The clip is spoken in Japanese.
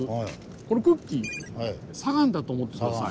このクッキー砂岩だと思って下さい。